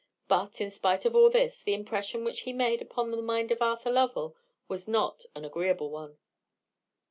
But, in spite of all this, the impression which he made upon the mind of Arthur Lovell was not an agreeable one.